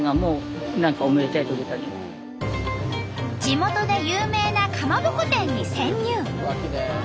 地元で有名なかまぼこ店に潜入！